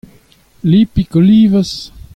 Lipig olivez ?